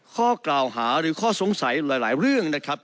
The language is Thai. ข้อกล่าวหาหรือข้อสงสัยหลายเรื่องนะครับ